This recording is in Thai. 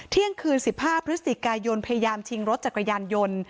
เที่ยงคืน๑๕พฤศจิกายนพยายามชิงรถจักรยานยนต์